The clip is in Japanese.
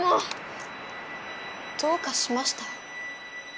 どうかしました？